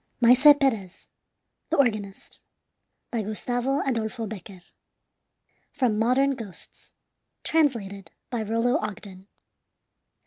MAESE PEREZ, THE ORGANIST By Gustavo Adolfo Becquer From "Modern Ghosts." Translated by Rollo Ogden.